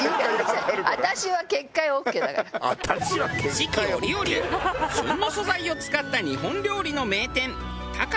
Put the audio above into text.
四季折々旬の素材を使った日本料理の名店。